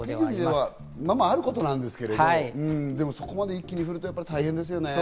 ままあることなんですけど、そこまで一気に降ると大変ですよね。